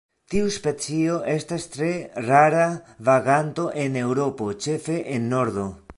Tiu specio estas tre rara vaganto en Eŭropo ĉefe en nordo.